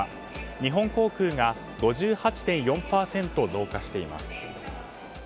日本航空が５８．４％増加しています。